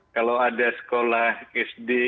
kalau ada sekolah sd